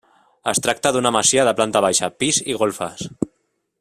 Es tracta d'una masia de planta baixa, pis i golfes.